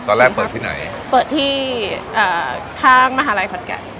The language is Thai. ตอนแรกเปิดที่ไหนเปิดที่อ่าทางมหาลัยขอนแก่น